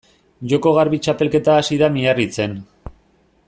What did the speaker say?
Joko Garbi txapelketa hasi da Miarritzen.